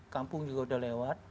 kampung juga sudah lewat